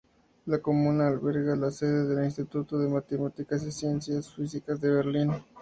La comuna alberga la sede del Instituto de Matemáticas y Ciencias Físicas de Benín.